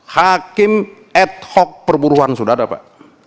hakim ad hoc perburuan sudah ada pak